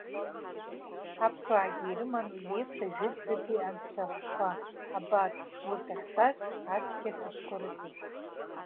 Аԥсуаагьы ирыман уи еиԥш ажәытәӡатәи анцәахәқәа, абар, урҭ ахьтәаз ацқьа ҭыԥқәа рыхьӡ.